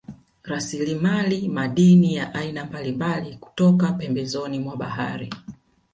Rasilimali madini ya aina mbalimbali kutoka pembezoni mwa bahari